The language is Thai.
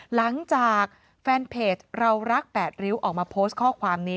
หลังจากแฟนเพจเรารัก๘ริ้วออกมาโพสต์ข้อความนี้